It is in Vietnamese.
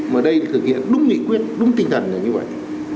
mà đây thực hiện đúng nghị quyết đúng tinh thần là như vậy